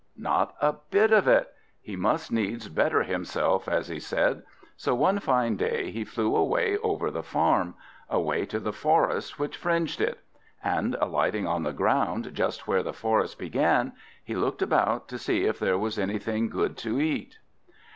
Not a bit of it; he must needs better himself, as he said; so one fine day he flew away over the farm, away to the forest which fringed it; and, alighting on the ground just where the forest began, he looked about to see if there was anything good to eat.